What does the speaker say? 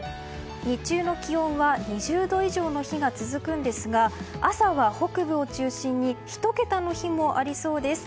日中の気温は２０度以上の日が続くんですが朝は北部を中心に１桁の日もありそうです。